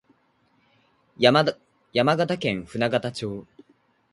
山形県舟形町